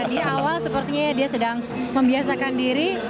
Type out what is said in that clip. di awal sepertinya dia sedang membiasakan diri